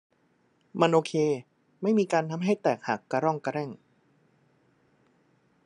มันโอเค ไม่มีการทำให้แตกหักกะร่องกะแร่ง